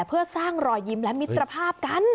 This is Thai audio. เพื่อสร้างรอยยิ้มและมิตรภาพกัน